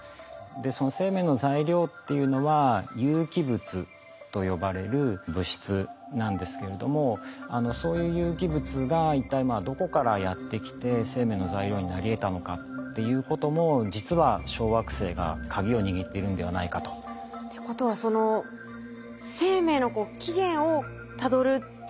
その生命の材料っていうのは有機物と呼ばれる物質なんですけれどもそういう有機物が一体どこからやって来て生命の材料になりえたのかっていうことも実は小惑星が鍵を握っているんではないかと。ってことはそのそうですね